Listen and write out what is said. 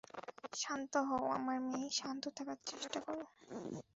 শান্ত হও, আমার মেয়ে, শান্ত থাকার চেষ্টা করো।